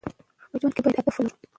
په ژوند کې باید هدف ولرو.